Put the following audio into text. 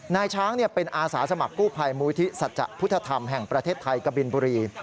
นายช้างเป็นอาสาสมัครกู้ภัยมูลที่สัจจะพุทธธรรมแห่งประเทศไทยกบินบุรี